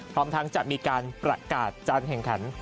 พร้อมทั้งจะมีการประกาศการแข่งขัน